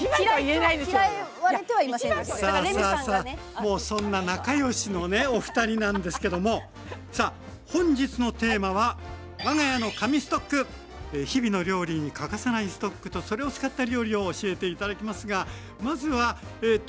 もうそんな仲良しのねおふたりなんですけどもさあ本日のテーマは日々の料理に欠かせないストックとそれを使った料理を教えて頂きますがまずはえと。